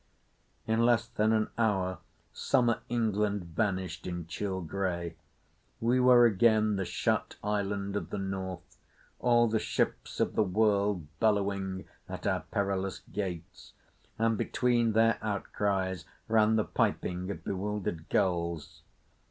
In less than an hour summer England vanished in chill grey. We were again the shut island of the North, all the ships of the world bellowing at our perilous gates; and between their outcries ran the piping of bewildered gulls.